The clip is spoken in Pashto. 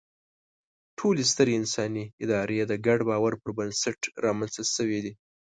ټولې سترې انساني ادارې د ګډ باور پر بنسټ رامنځ ته شوې دي.